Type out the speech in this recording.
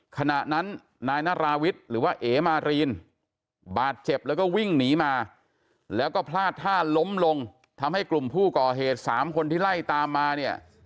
ขณะนั้นนายนาราวิทย์หรือว่าเอมารีนบาดเจ็บแล้วก็วิ่งหนีมาแล้วก็พลาดท่าล้มลงทำให้กลุ่มผู้ก่อเหตุ๓คนที่ไล่ตามมาเนี่ย